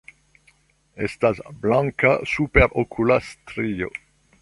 Estas blanka superokula strio.